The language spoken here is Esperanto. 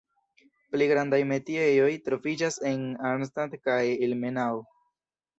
Pli grandaj metiejoj troviĝas en Arnstadt kaj Ilmenau.